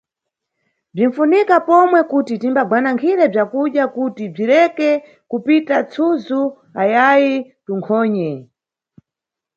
Bzinʼfunika pomwe kuti timbagwanankhire bzakudya kuti bzireke kupita tsuzu ayayi tunkhonye.